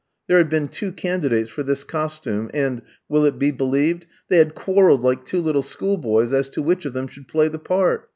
There had been two candidates for this costume, and will it be believed? they had quarrelled like two little schoolboys as to which of them should play the part.